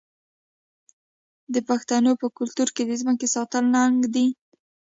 د پښتنو په کلتور کې د ځمکې ساتل ننګ دی.